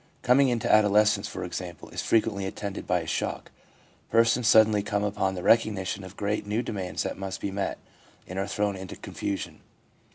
Coming into adolescence, for example, is frequently attended by a shock; persons suddenly come upon the recognition of great, new demands that must be met, and are thrown into confusion.